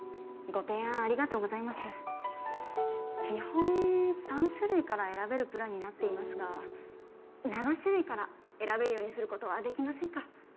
基本３種類から選べるプランになっていますが７種類から選べるようにすることはできませんか？